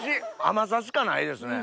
甘さしかないですね